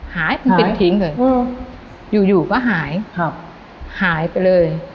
หายหายเป็นทิ้งเลยอืมอยู่อยู่ก็หายครับหายไปเลย